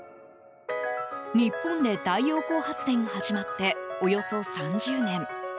日本で太陽光発電が始まっておよそ３０年。